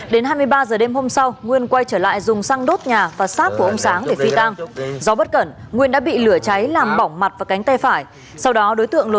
đến hai mươi ba giờ đêm hôm sau nguyên quay trở lại dùng xăng đốt nhà và xác của ông sáng để phi tang